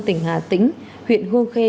tỉnh hà tĩnh huyện hương khe